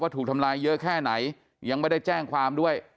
ถูกทำลายเยอะแค่ไหนยังไม่ได้แจ้งความด้วย